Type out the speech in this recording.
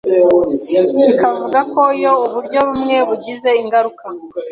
ikavuga ko iyo uburyo bumwe bugize ingaruka